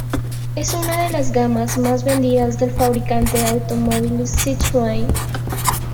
Es una de las gamas más vendidas del fabricante de automóviles Citroën.